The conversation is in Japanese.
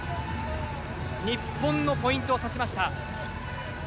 日本のポイントを差しました。